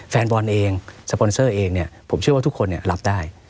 แฟนบอลเองสปอนเซอร์เองเนี่ยผมเชื่อว่าทุกคนรับได้